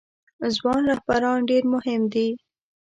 ځوان رهبران ډیر مهم دي